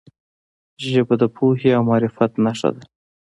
ژبه د پوهې او معرفت نښه ده.